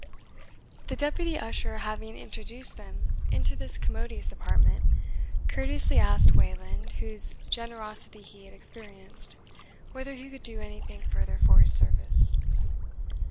The deputy usher having introduced them into this commodious apartment, courteously asked Wayland, whose generosity he had experienced, whether he could do anything further for his service.